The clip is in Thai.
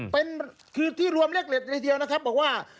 เป็นคือที่รวมเลขเล็ตเลยทีเดียวนะครับบอกว่า